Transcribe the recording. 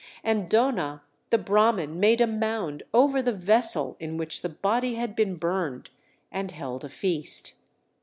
And Dona the Brahman made a mound over the vessel in which the body had been burned, and held a feast.